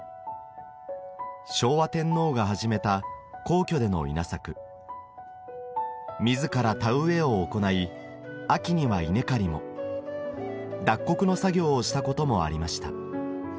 昭和天皇が始めた皇居での稲作自ら田植えを行い秋には稲刈りも脱穀の作業をしたこともありました